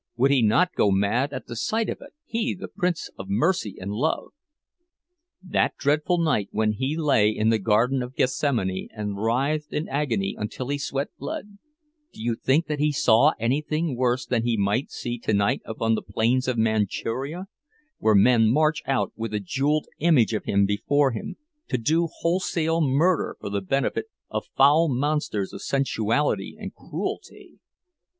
Would he not go mad at the sight of it, he the Prince of Mercy and Love! That dreadful night when he lay in the Garden of Gethsemane and writhed in agony until he sweat blood—do you think that he saw anything worse than he might see tonight upon the plains of Manchuria, where men march out with a jeweled image of him before them, to do wholesale murder for the benefit of foul monsters of sensuality and cruelty?